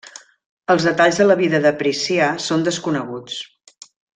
Els detalls de la vida de Priscià són desconeguts.